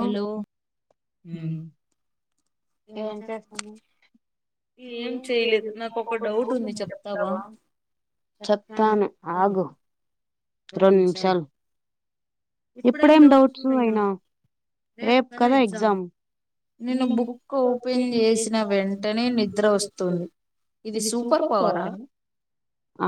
Hello ఏం చేస్తాను ఏం చేయలేవు. నాకు ఒక డౌట్ ఉంది చెప్తావా చెప్తాను ఆగు. రెండు నిమిషాలు ఇప్పుడేం డౌట్స్ అయినా రేపు కదా ఎగ్జామ్ నేను బుక్ ఓపెన్ చేసిన వెంటనే నిద్ర పట్టిపోయింది ఇది సూపర్ పవరా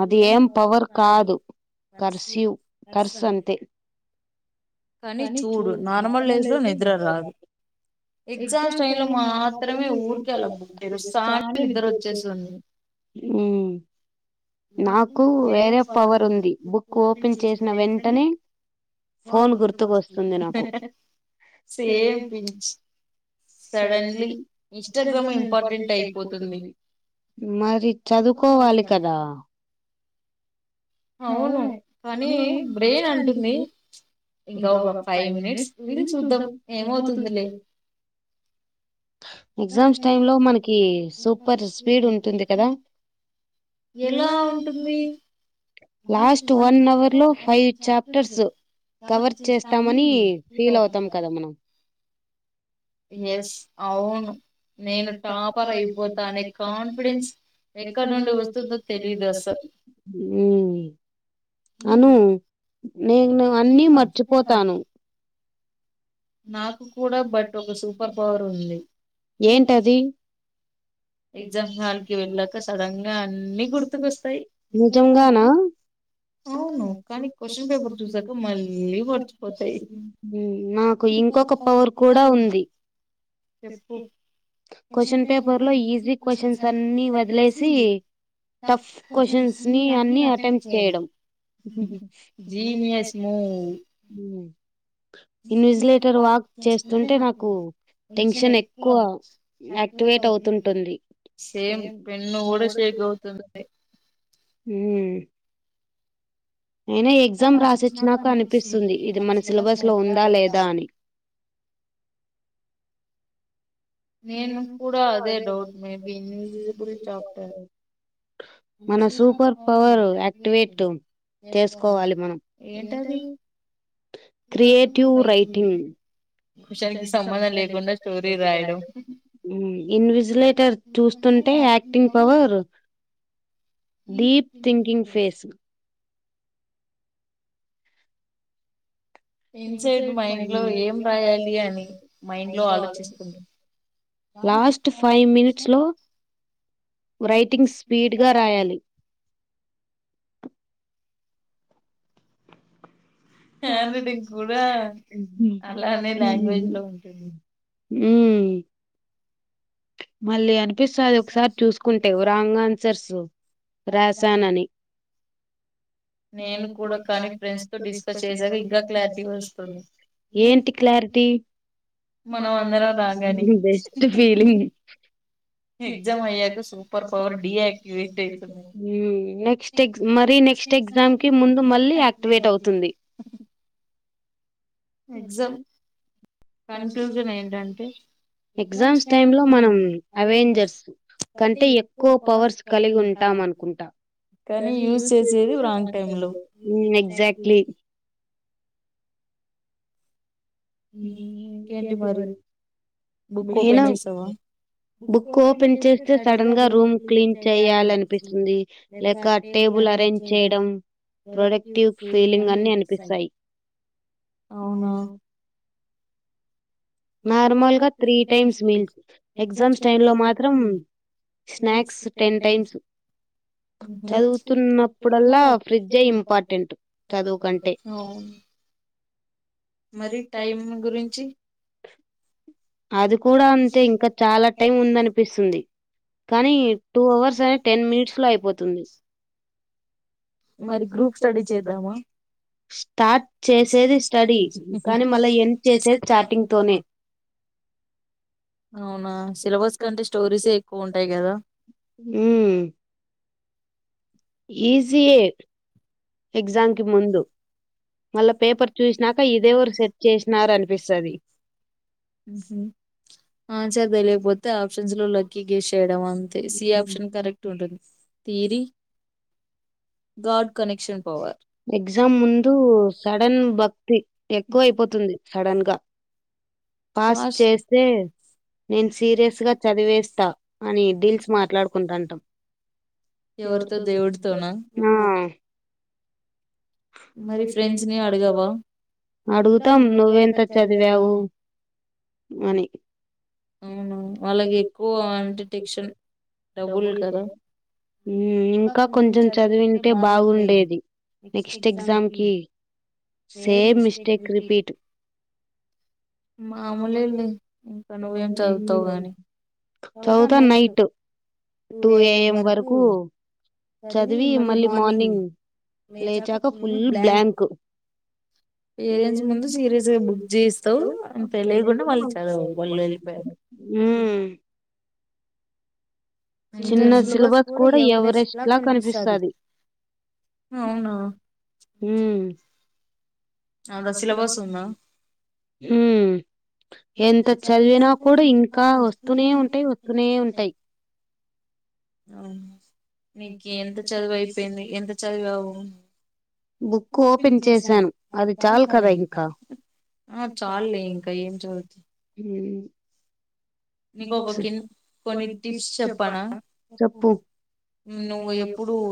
అది ఏం పవర్ కాదు కర్స్యూ కర్స్ అంతే కానీ చూడు రామ లేదు నిద్రా రాదు ఎగ్జామ్ టై లో మా మాత్రమేఇట్టా కూర్చోగానే నిద్ర వచ్చేసింది ఊ నాకు వేరే పవర్ ఉంది బుక్ ఓపెన్ చేసిన వెంటనే ఫోన్ గుర్తుకు వస్తుంది నాకు. సేమ్ సడన్లీ ఇంపార్టెంట్ అయిపోతుంది మరి చదువుకోవాలి కదా అవును కానీ బ్రెయిన్ అంటుంది ఇంకా ఒక ఫైవ్ మినిట్స్ రీలు చూద్దాం ఏమవుతుందిలే ఎగ్జామ్స్ టైమ్ లో మనకి సూపర్ స్పీడ్ ఉంటుంది కదా ఎలా లాస్ట్ వన్ అవర్ లో ఫైవ్ చాప్టర్స్ కవర్ చేస్తామని ఫీల్ అవుతాం కదా మనం ఎస్ అవును నేను టాపర్ అయిపోతానే కాన్ఫిడెన్స్ ఎక్కడ నుండి వస్తుందో తెలియదు అస హ్మ్ అను నేను అన్నీ మర్చిపోతాను నాకు కూడా బట్ ఒక సూపర్ పవర్ ఉంది [inaudible] నిజంగానా హ్మ నక్ ఇంకొక పవర్ కూడా ఉంది క్వశ్చన్ పేపర్ లో ఈ ఈజీ క్వశ్చన్స్ అన్ని వదిలేసి టఫ్ క్వశ్చన్స్ ని అన్ని అటెంప్ట్ చేయడం హ్మ్మ్ జీనియస్ [unintelligible] ఇన్విజలేటర్ వాక్ చేస్తుంటే నాకు టెన్షన్ ఎక్కువ యాక్టివేట్ అవుతుంటుంది సేమ్ పెన్ను కూడా షేక్ అవుతుంది హ్మ్ అయినా ఎగ్జామ్ రాసోచినక అనిపిస్తుంది ఇది మన సిలబస్ లో ఉందా లేదా అని [inaudible] నేను కూడా అదే doubt maybe invisible chapter మన సూపర్ పవర్ యాక్టివేట్ చేసుకోవాలి మనం ఏంటది క్రియేటివ్ రైటింగ్ హ్మ్ ఇన్విజిలేటర్ చూస్తు అంటే acting power deep thinking face excitement లో ఏం రాయాలి అని మైండ్ లో ఆలోచిస్తుట లాస్ట్ ఫైవ్ మినిట్స్ లో రైటింగ్ స్పీడ్ గా రాయాలి హ్యాండ్రైటింగ్ [unintelligible] అలానే రాయాలి హ్మ్ మళ్ళీ అనిపిస్తది ఒకసారి చూసుకుంటే రాంగ్ ఆన్సర్సు రాశానని ఏంటి క్లారిటీ టి మనం అందరం రాసింది బెస్ట్ ఫీలింగ్ హ్మ్ నెక్స్ట్ ఎక్స్ మరి నెక్స్ట్ నెక్స్ట్ ఎగ్జామ్ కి ముందు మళ్ళీ యాక్టివేట్ అవుతుంది ఎగ్జామ్ కన్క్లూజన్ ఏంటంటే ఎగ్జామ్స్ టైమ్ లో మనం అవేంజర్స్ కంటే ఎక్కువ పవర్స్ కలిగి ఉంటాం అనుకుంటా హ్మ ఎగ్జాక్ట్లీ హ్మ్ ఇంకేంటి మరి బుక్ ఓపెన్ చేస్తే సడన్ గా రూమ్ క్లీన్ చేయాలనిపిస్తుంది లేక టేబ వులు అరేంజ్ చేయడం ప్రొడక్టివ్ ఫీలింగ్ అని అనిపిస్తాయి అవును నార్మల్ గా three times meals exams time లో మాత్రం స్నాక్స్ టెన్ టైమ్స్ చదువుతున్నప్పుడల్లా ఫ్రిడ్జే ఇంపార్టెంట్ చదువు కంటే మరి టైం గురించి అది కూడా అంతే ఇంకా చాలా టైం ఉంది అనిపిస్తుంది కానీ టూ అవర్స్ అనే టెన్ మినిట్స్ లో అయిపోతుంది మరి గ్రూప్ స్టడీ చేద్దామా కానీ మళ్ళా ఎండ్ చేసే స్టార్టింగ్ తోనే అవునా సిలబస్ కంటే స్టోరీసె ఎక్కువ ఉంటాయి కదా హ్మ్ ఈజియే ఎగ్జామ్స్ కి ముందు మళ్ళా పేపర్ చూసినాక ఇదేవరు సెట్ చేసినార్ అనిపిస్తది హ్మ్ హు ఆన్సర్ తెలియపోతే ఆప్షన్స్ లో లక్కీ గేస్ చేయడం అంతే సియ ఆప్షన్ కరక్ట్ ఉంటది తీరి గార్డ్ కనెక్షన్ పవర్ ఎగ్జామ్ ముందు సడన్ భక్తి ఎక్కువ అయిపోతుంది సడన్ గా పాస్ చేస్తే నేను సీరియస్గా చదివేస్తా అని డిల్స్ మాట్లాడుకుంటంటాం ఎవరితో దేవుడుతోనా మరి ఫ్రెండ్స్ ని అడగవా మని హ్మ్ వాళ్ళని చూస్తే అలా అనిపిస్తది డబ్బుల్ కదా హ్మ్ ఇంకా కొంచెం చదివింటే బాగుండేది నెక్స్ట్ స్ట్ ఎగ్జామ్ కి సేమ్ మిస్టేక్ రిపీట్ మామూలులే ఇంకా నువ్వేం చదువుతావు గాని చదువుతాను నైట్ టూ ఏఎం వరకు చదివి మళ్ళీ మార్నింగ్ లేచాక ఫుల్ బ్లాంకు పేరెంట్స్ ముందు సీరియస్ గా బుక్ చేస్తావు అంత తెలియకుండా వాళ్ళు చదవవు వాళ్ళు వెళ్ళిపోయారు హ్మ్ సిలబస్ కూడా ఎవరెస్ట్ లా కనిపిస్తది అంత సిలబస్ ఉందా హ్మ్ ఎంత చదివినా కూడా ఇంకా వస్తూనే ఉంటాయి వస్తూనే ఉంటాయి అ నీకు ఎంత చదువు అయిపోయింది ఎంత చదివావు బుక్ ఓపెన్ చేశాను అది చాలు కదా ఇంకా ఆ చాలే ఇంక వదిలిపెట్ నీకు ఒక హింట్ టిప్స్ చెప్పాలా నువ్వు ఎప్పుడు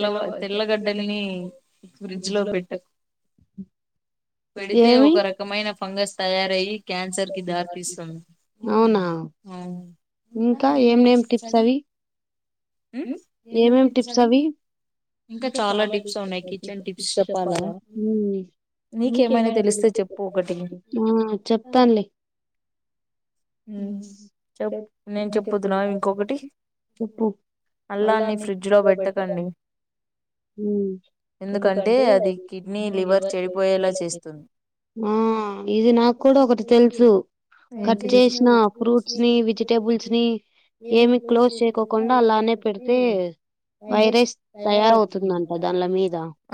తెల్లవ తెల్ల [unintelligible] ఫ్రిడ్జ్ లో పెట్టు ఏమి అవునా ఇంకా ఏంనేం టిప్స్ అవి ఏమేం టిప్స్ అవి ఇప్పుడు నీకు చెప్పాలా నీకేమైనా తెలుస్తే చెప్పు ఒకరికి చెప్పు అల్లాని [unintelligible] ఎందుకంటే అది కిడ్నీ లివర్ [unintelligible] ఆ ఇది నాకు కూడా ఒకటి తెలుసు కట్ చే స్నా ఫ్రూట్స్ ని వెజిటెబల్స్ ని ఏమి క్లోజ్ చేయ్కోకుండా అలానే పెడితే వైరస్ తయారవుతుందంట దాన్ల మీ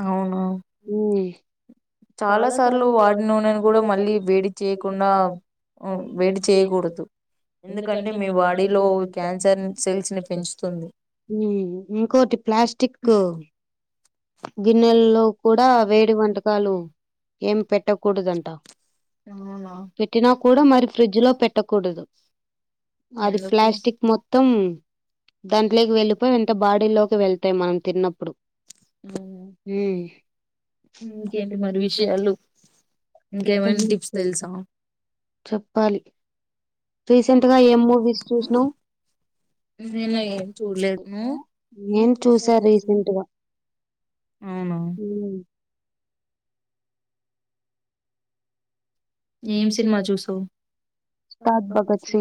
అవును హ్మ్ చాలా సార్లు వాడిన నూనె ని గూడా మళ్ళీ వేడి చేయకుండా వేడి చే చేయగూడదు ఎందుకంటే మీ వాడీలో క్యాన్సన్‌ సెల్స్ ని పెంచుతుంది హ్మ్ ఇంకోటి ప్లాస్టిక్కు గిన్నెల్లో కూడా వేడి వంటకాలు ఏం పెట్టకూడదంట పెట్టినా కూడా మరి ఫ్రిడ్జ్ లో పెట్టకు స అది ప్లాస్టిక్ మొత్తం దాంట్లేకి వెళ్ళిపోయి వెంట బాడీలోకి వెళ్తాయి మనం తిన్నప్పుడు హ్మ్ చెప్పాలి రీసెంట్గా ఏం మూవీస్ చూస్నావ్ నేన్‌ చూసా రీసెంట్గా మ్మ్ ముస్తద్ భగత్ సి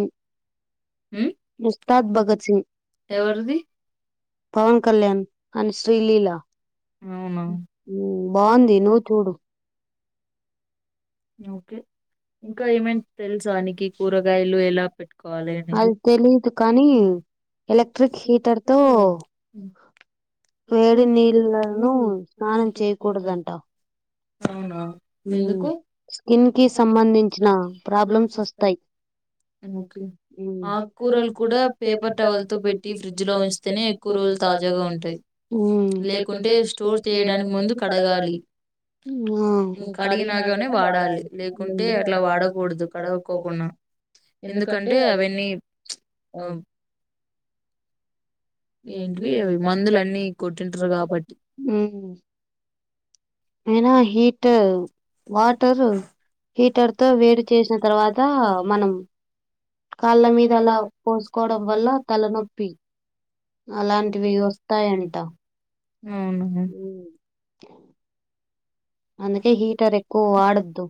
ముస్తద్ భగత్ సి పవన్ కళ్యాణ్ అండ్‌ శ్రీ లీలా హ్మ్ బావుంది నువ్వు చూడు ఓకే అద్ తెలీదు కానీ ఎలెక్ట్రిక్ హీటర్తో వేడి నీళ్లను స్నానం చేయకూడదంట హ్మ్ స్కిన్ కి సంబంధించిన ప్రాబ్లమ్స్ వస్తాయ్ హ్మ్ తాజాగా ఉంటాయ్ లేకుంటే స్టోర్ చేయడానికి ముందు కడగాలి హ్మ్ కడిగినాకనే వాడాలి లేదంటే అట్లా వాడకూడదు కడగకో ఎందుకంటే అవి [unintelligible] ఎన్టివీ అవి మందులు అవి ఇనా హీటర్‌ వాట్‌ టర్ హీటర్ తో వేడి చేసిన తర్వాత మనం కాళ్ళ మీద అలా పోసుకోవడం వల్ల తలనొప్పి అలాంటివి వస్తాయంట అందుకే హీటర్ ఎక్కువ వాడొద్దు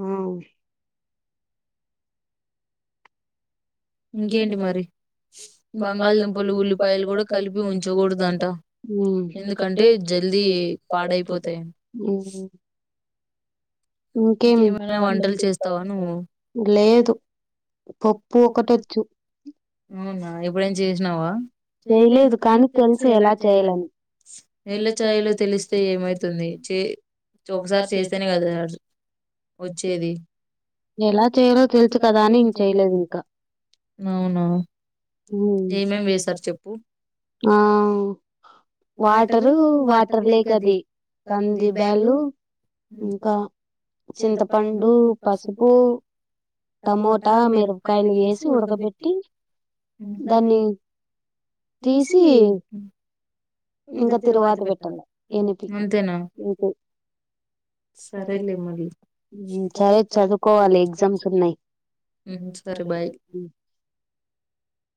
హా ఇంకేంటి మరి బంగాళదుంపలు ఉల్లిపాయలు కూడా కలిపి ఉంచకూడదంట ఎందుకంటే జ జల్దీ పాడైపోతాయని ఇంకేమ్ లేదు పప్పుూ ఒకటి వచ్చు లేదు లేదు కానీ తెలుసు ఎలా చేయాలని ఏళ్ల చాయలో తెలిస్తే ఏమైతుంది చే ఒకసారి చేస్తేనే కద ఎలా చేయలో తెల్సు కదా అని ఇంక చేయలేదు ఇంక హ్మ్ హా వాటరు వాటర్ లేక్ అది కంది బ్యాళు ఇంకా చింతపండు పసుపు టమో ట మిరపకాయలు వేసి ఉడకబెట్టి దాన్ని టిసి ఇంకా తిరువాతి పెట్టాల ఎనిపి అంతేనా ఉహు సరేలే మరి చది హు చదువుకోవాలి ఎగ్జామ్స్ ఉన్నాయి సరే బాయ్ హు